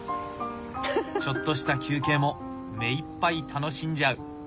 ちょっとした休憩も目いっぱい楽しんじゃう。